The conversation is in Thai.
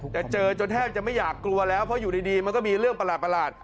แต่เจอจนแทบจะไม่อยากกลัวแล้วเพราะอยู่ดีมันก็มีเรื่องประหลาด